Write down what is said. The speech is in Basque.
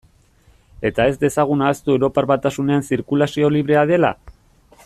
Eta ez dezagun ahaztu Europar Batasunean zirkulazioa librea dela?